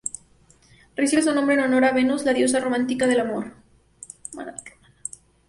Recibe su nombre en honor a Venus, la diosa romana del amor.